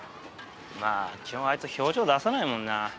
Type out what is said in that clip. まあ基本あいつ表情出さないもんな。